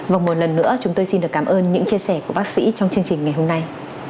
và một lần nữa chúng tôi xin được cảm ơn những chia sẻ của bác sĩ trong chương trình ngày hôm nay